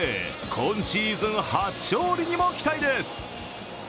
今シーズン初勝利にも期待です。